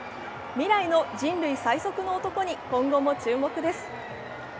未来の人類最速の男に今後も注目です。